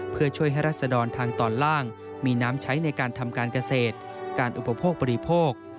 เพื่อช่วยให้รัศดรทางตอนล่างมีน้ำใช้ในการทำการเกษตรการอุปโภคบริโภค